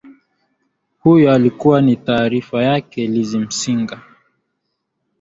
huyo alikuwa ni taarifa yake liz masinga